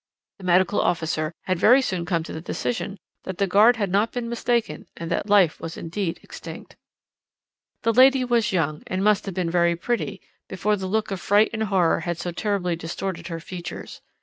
The medical officer had very soon come to the decision that the guard had not been mistaken, and that life was indeed extinct. "The lady was young, and must have been very pretty before the look of fright and horror had so terribly distorted her features.